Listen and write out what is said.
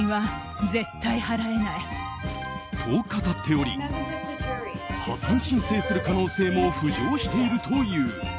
と、語っており破産申請する可能性も浮上しているという。